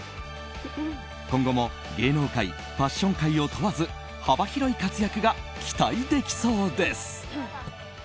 今後も芸能界、ファッション界を問わず幅広い活躍が期待できそうです。